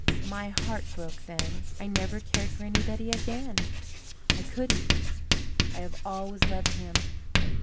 My heart broke then, I never cared for anybody again I couldn't. I have always loved him.